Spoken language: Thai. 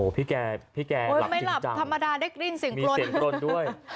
พี่แก่หลับจริงจังไม่หลับธรรมดาได้กลิ่นเสียงกลยด้วย